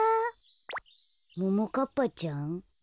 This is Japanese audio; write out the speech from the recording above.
ももかっぱちゃん？